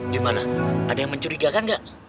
gimana ada yang mencurigakan nggak